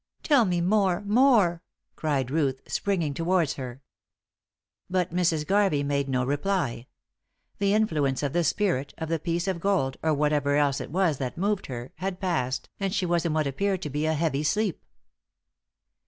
"Tell me more more!" cried Ruth, springing towards her. But Mrs. Garvey made no reply. The influence of the spirit, of the piece of gold, or whatever else it was that moved her, had passed, and she was in what appeared to be a heavy sleep.